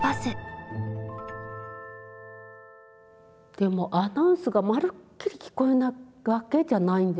でもアナウンスがまるっきり聞こえないわけじゃないんですよね。